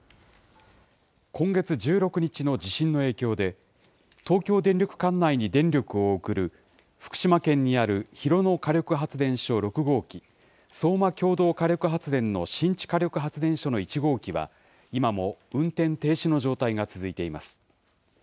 今月１６日の地震の影響で、東京電力管内に電力を送る、福島県にある広野火力発電所６号機、相馬共同火力発電の新地火力発電所の１号機は、今も運転停止の状態が続いています。